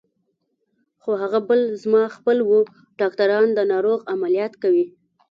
خو هغه بل زما خپل و، ډاکټران د ناروغ عملیات کوي.